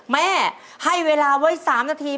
แม่ให้เวลาไว้๓นาที